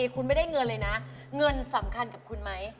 คุณไม่ได้เงินเลยนะเงินสำคัญกับคุณไหม